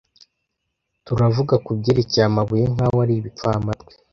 turavuga kubyerekeye amabuye nkaho ari ibipfamatwi